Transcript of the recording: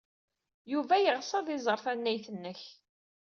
Yuba yeɣs ad iẓer tannayt-nnek.